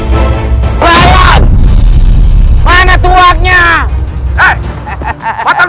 jika istana kaluh habis terbakar